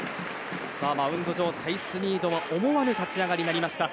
マウンド上、サイスニードは思わぬ立ち上がりになりました。